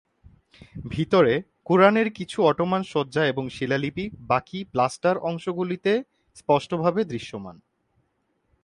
ভিতরে, "কুরআনের" কিছু অটোমান সজ্জা এবং শিলালিপি বাকী প্লাস্টার অংশগুলিতে স্পষ্টভাবে দৃশ্যমান।